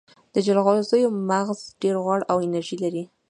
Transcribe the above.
د جلغوزیو مغز ډیر غوړ او انرژي لري.